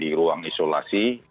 ada di ruang isolasi